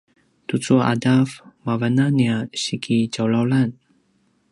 tucu a ’adav mavan a nia sikitjawlawlan